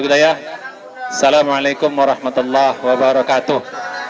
gaya salamualaikum warahmatullah wabarakatuh